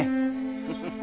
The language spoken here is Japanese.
フフフフ